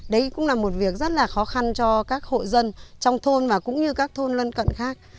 đấy cũng là một việc rất là khó khăn cho các hộ dân trong thôn và cũng như các thôn lân cận khác